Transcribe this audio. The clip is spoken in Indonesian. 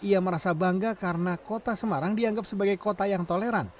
ia merasa bangga karena kota semarang dianggap sebagai kota yang toleran